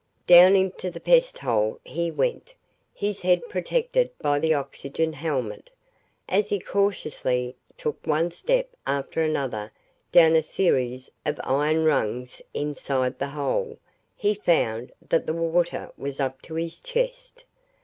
Down into the pest hole he went, his head protected by the oxygen helmet. As he cautiously took one step after another down a series of iron rungs inside the hole, he found that the water was up to his chest.